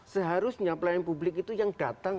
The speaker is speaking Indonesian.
seharusnya pelayanan publik itu yang datang